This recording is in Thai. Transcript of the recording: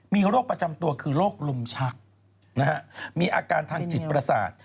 มีโรคประจำตัวคือโรคลมชักมีอาการทางจิตประสาท